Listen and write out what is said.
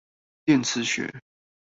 電磁學